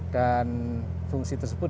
dan fungsi tersebut